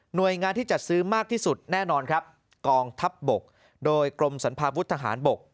โดยงานที่จัดซื้อมากที่สุดแน่นอนครับกองทัพบกโดยกรมสรรพาวุฒิทหารบก